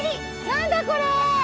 何だこれ！